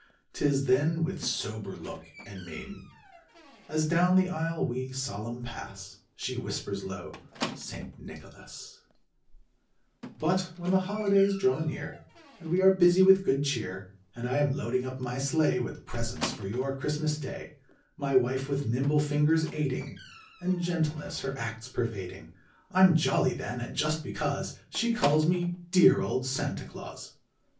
Tis then with sober look, and mein, As down the aisle we, solemn, pass, She whispers low, 'St. Nicholas.'" C ' S '^!' S > jn|B r*5v;'j ll 1 S I 1 1 1 1^*1 Copyrighted, 1897 lUT when the holidays draw near And we are busy with good cheer, And I am loading up my sleigh With presents for your Christmas Day, My wife with nimble fingers aiding, And gentleness her acts pervading, I'm jolly then, and just because She calls me 'dear old Santa Claus.